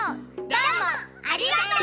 どうもありがとう！